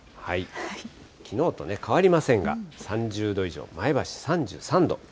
きのうと変わりませんが、３０度以上、前橋３３度。